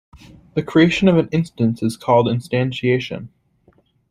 The creation of an instance is called instantiation.